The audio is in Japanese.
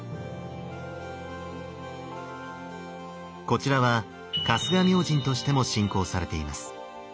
こちらは春日明神としても信仰されています。